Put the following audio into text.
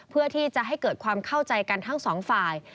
เพื่อที่จะให้เกิดความเข้าใจกันทั้งสองฝ่าย